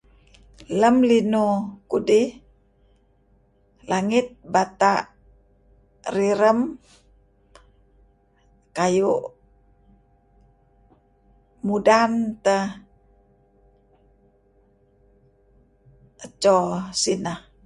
Lam linuh kudih langit bata' rirem kayu' mudan teh adto sineh.